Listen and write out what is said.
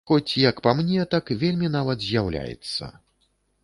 Хоць як па мне, так вельмі нават з'яўляецца.